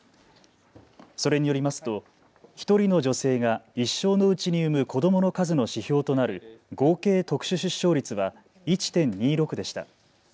それによりますと１人の女性が一生のうちに産む子どもの数の指標となる合計特殊出生率は１．２６でした。